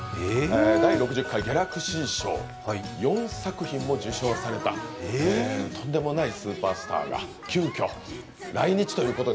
第６０回ギャラクシー賞４作品も受賞されたとんでもないスーパースターが急きょ来日ということに。